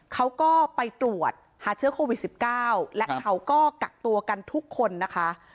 เขาก็ไปตรวจหาเชื้อโควิด๑๙และเขาก็กักตัวกันทุกคนนะคะ